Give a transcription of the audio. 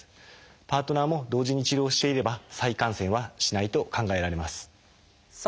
パートナーも同時に治療していれば再感染はしないと考えられます。